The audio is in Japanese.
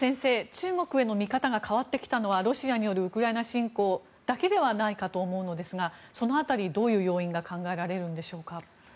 中国への見方が変わってきたのはロシアによるウクライナ侵攻だけではないかと思うのですがその辺り、どういう要因が考えられるのでしょうか。